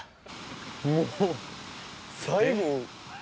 もう最後。